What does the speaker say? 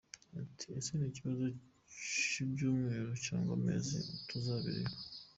Ati “Ese ni ikibazo cy’ibyumweru cyangwa amezi? tuzabireba.